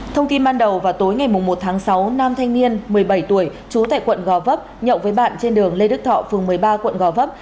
thông tin ban đầu vào tối ngày một tháng sáu nam thanh niên một mươi bảy tuổi trú tại quận gò vấp nhậu với bạn trên đường lê đức thọ phường một mươi ba quận gò vấp